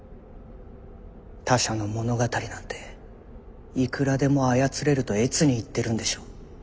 他者の物語なんていくらでも操れると悦に入ってるんでしょう。